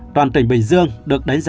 toàn tỉnh bình dương được đánh giá